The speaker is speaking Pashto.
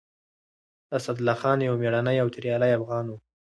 اسدالله خان يو مېړنی او توريالی افغان و.